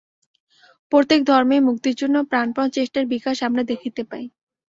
প্রত্যেক ধর্মেই মুক্তির জন্য প্রাণপণ চেষ্টার বিকাশ আমরা দেখিতে পাই।